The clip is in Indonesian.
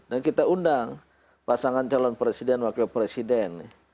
dan kita undang pasangan calon presiden wakil presiden